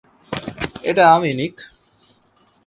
এটা আমি, নিক।